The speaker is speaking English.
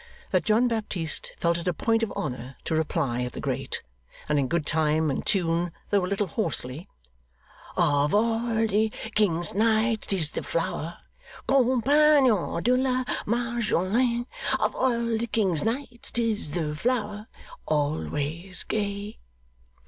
that John Baptist felt it a point of honour to reply at the grate, and in good time and tune, though a little hoarsely: 'Of all the king's knights 'tis the flower, Compagnon de la Majolaine! Of all the king's knights 'tis the flower, Always gay!